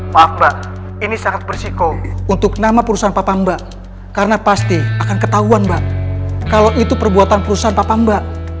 maaf mbak ini sangat bersiko untuk nama perusahaan papa mbak karena pasti akan ketahuan mbak kalau itu perbuatan perusahaan papa mbak